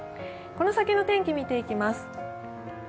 この先の天気見ていきます。